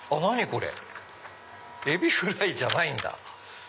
これエビフライじゃないんだ。